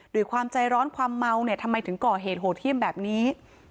ด้วยความใจร้อนความเมาเนี่ยทำไมถึงก่อเหตุโหดเที่ยมแบบนี้